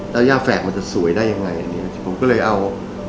แล้วย่าแฝกมันจะสวยได้ยังไงผมก็เลยเอา